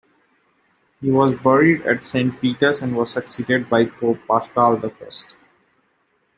He was buried at Saint Peter's, and was succeeded by Pope Paschal the First.